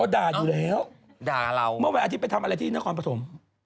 โอ้ด่าอยู่แล้วเมื่อไหวอาทิบไปทำอะไรที่นครปฐม